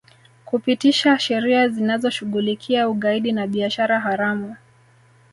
Kupitisha sheria zinazoshughulikia ugaidi na biashara haramu